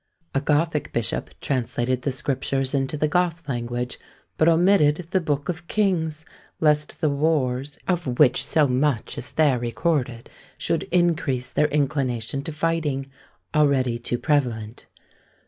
A Gothic bishop translated the Scriptures into the Goth language, but omitted the Books of Kings! lest the wars, of which so much is there recorded, should increase their inclination to fighting, already too prevalent.